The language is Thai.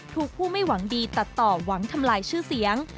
ถูกผู้ไม่หวังดีตัดต่อหวังทำลายชื่อเสียง